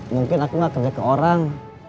mungkin aku nggak kerja ke orang